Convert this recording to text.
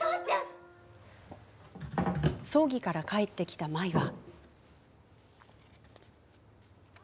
葬儀から帰ってきた舞は。